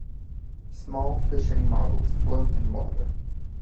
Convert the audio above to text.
Small fishing models float in water.